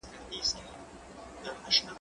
زه به سبا مکتب ته ځم!.